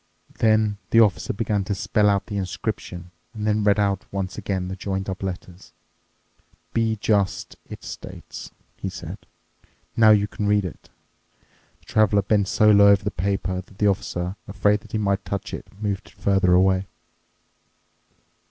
Then the Officer began to spell out the inscription and then read out once again the joined up letters. "'Be just!' it states," he said. "Now you can read it." The Traveler bent so low over the paper that the Officer, afraid that he might touch it, moved it further away.